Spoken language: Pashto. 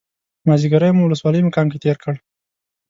مازیګری مو ولسوالۍ مقام کې تېر کړ.